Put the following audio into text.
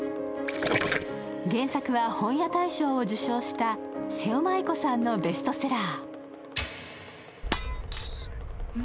原作は本屋大賞を受賞した瀬尾まいこさんのベストセラー。